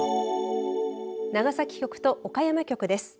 長崎局と岡山局です。